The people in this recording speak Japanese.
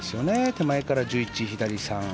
手前から１１、左３。